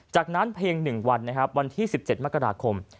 จากนั้นเพียง๑วันนะครับวันที่๑๗มกราคม